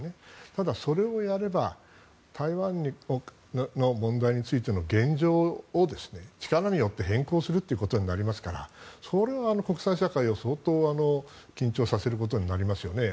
ただ、それをやれば台湾の問題についての現状を力によって変更するということになりますからそれは国際社会を相当緊張させることになりますよね。